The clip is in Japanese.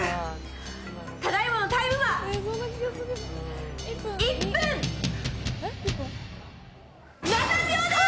ただいまのタイムは１分７秒でーす。